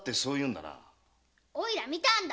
おいら見たんだ。